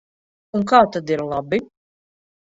Un kā tad ir labi?